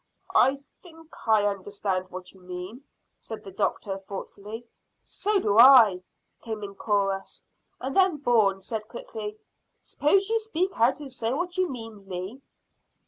"I think I understand what you mean," said the doctor thoughtfully. "So do I," came in chorus, and then Bourne said quickly "Suppose you speak out and say what you mean, Lee."